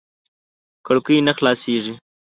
کړکۍ نه خلاصېږي .